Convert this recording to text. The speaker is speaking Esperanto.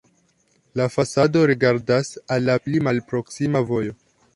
La fasado rigardas al la pli malproksima vojo.